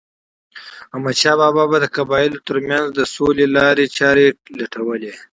احمد شاه بابا د قبایلو ترمنځ د سولې لارې چاري لټولي.